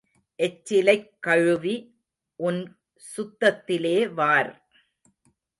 எச்சிலைக் கழுவி உன் சுத்தத்திலே வார்.